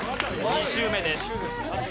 ２周目です。